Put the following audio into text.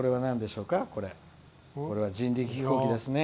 これは人力飛行機ですね。